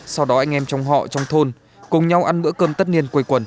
sau đó anh em trong họ trong thôn cùng nhau ăn bữa cơm tất nhiên